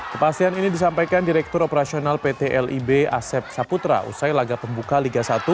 kepastian ini disampaikan direktur operasional pt lib asep saputra usai laga pembuka liga satu